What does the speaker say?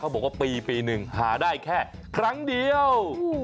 บอกว่าปีหนึ่งหาได้แค่ครั้งเดียว